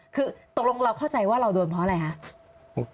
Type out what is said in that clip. คือตกลงเราเข้าใจว่าเราโดนเพราะอะไรคะ